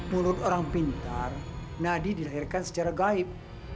mulut orang pintar nadi dilahirkan secara gaib